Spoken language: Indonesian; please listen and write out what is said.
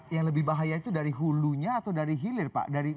yang lebih bahaya itu dari hulunya atau dari hilir pak